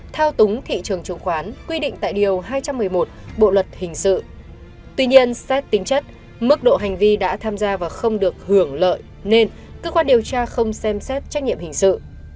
thao túng thị trường chứng khoán quy định tại điều hai trăm một mươi một bộ luật hình sự tuy nhiên xét tính chất mức độ hành vi đã tham gia và không được hưởng lợi nên cơ quan điều tra không xem xét trách nhiệm hình sự